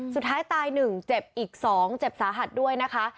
สุดท้ายตาย๑เจ็บอีก๒เจ็บสาหัสด้วยนะคะ